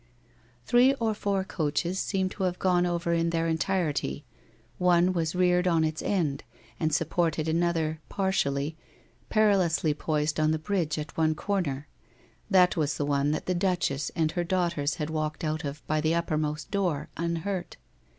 Three or four coaches seemed to have gone over in their entirety, one was reared on its end and supported another, partially, perilously poised on the bridge at one corner. That was the one that the Duchess and her daugh ters had walked out of by the uppermost door, unhurt.